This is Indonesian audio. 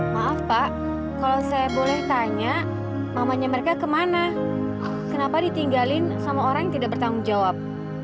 maaf pak kalau saya boleh tanya mamanya mereka kemana kenapa ditinggalin sama orang yang tidak bertanggung jawab